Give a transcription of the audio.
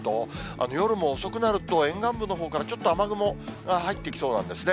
夜も遅くなると、沿岸部のほうから、ちょっと雨雲が入ってきそうなんですね。